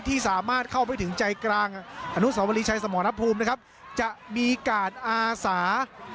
ที่สามารถเข้าไปถึงใจกลางอารมณ์สวรรค์มีการอาศา